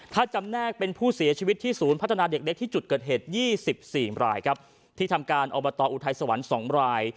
ถ้าจำแนกเป็นผู้เสียชีวิตที่ศูนย์พัฒนาเด็กเล็กที่จุดเกิดเหตุ๒๔รายครับที่ทำการอบตอุทัยสวรรค์๒ราย